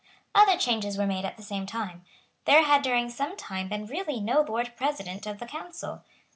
Other changes were made at the same time. There had during some time been really no Lord President of the Council.